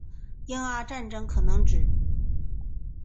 英阿战争可能指